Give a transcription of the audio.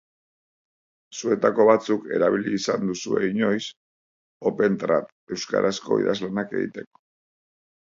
Zuetako batzuk erabili izan duzue inoiz Opentrad euskarazko idazlanak egiteko.